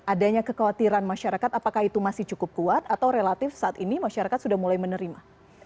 adanya kekhawatiran masyarakat apakah itu masih cukup kuat atau relatif saat ini masyarakat sudah mulai menerima